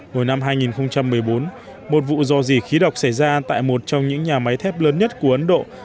hồi năm hai nghìn một mươi bốn một vụ dò dỉ khí độc xảy ra tại một trong những nhà máy thép lớn nhất của ấn độ